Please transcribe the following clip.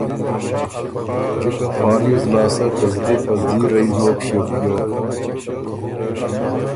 جکه فا ریوز لاسته ته زلی په ځیرئ نوک ݭیوک بيوک